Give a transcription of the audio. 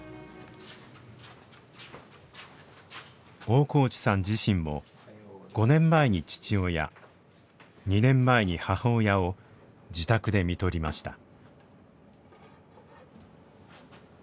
大河内さん自身も５年前に父親２年前に母親を自宅でみとりました。